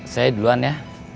saya duluan ya